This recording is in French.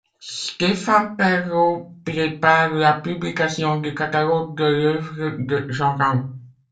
Stéphan Perreau prépare la publication du catalogue de l'œuvre de Jean Ranc.